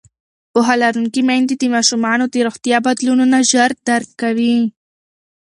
پوهه لرونکې میندې د ماشومانو د روغتیا بدلونونه ژر درک کوي.